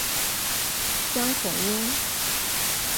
江孔殷。